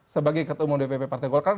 sebagai ketua umum dpp partai golkar